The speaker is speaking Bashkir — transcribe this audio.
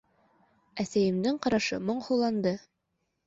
Әсәйемдең ҡарашы моңһоуланды: